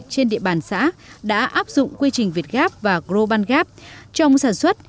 trên địa bàn xã đã áp dụng quy trình việt gáp và groban gáp trong sản xuất